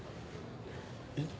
えっ。